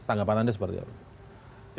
tanggapan anda seperti apa